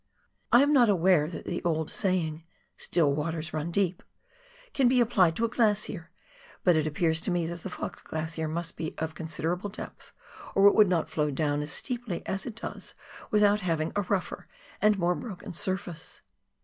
I am not aware that the old saying, " Still waters run deep," can be applied to a glacier, but it appears to me that the Fox Grlacier must be of considerable depth or it would not flow down as steeply as it does without having a rougher and more broken surface.